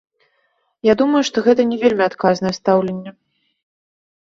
Я думаю, што гэта не вельмі адказнае стаўленне.